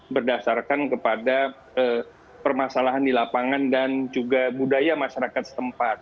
berdasarkan kepada permasalahan di lapangan dan juga budaya masyarakat setempat